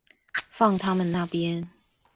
放他們那邊